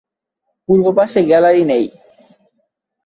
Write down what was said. পূর্ব পাশে গ্যালারি নেই।